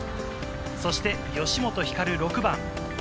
そして吉本ひかる、６番。